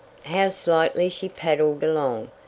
How lightly she paddled along!